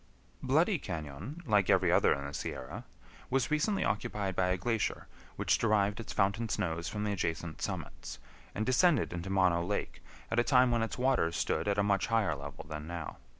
Bloody Cañon, like every other in the Sierra, was recently occupied by a glacier, which derived its fountain snows from the adjacent summits, and descended into Mono Lake, at a time when its waters stood at a much higher level than now.